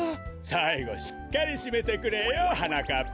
さいごしっかりしめてくれよはなかっぱ。